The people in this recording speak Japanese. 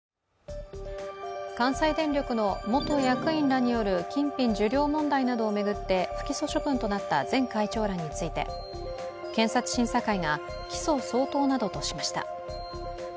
関西電力の元役員らによる金品受領問題などを巡って不起訴処分となった前会長らについて、検察審査会が起訴相当などとしました。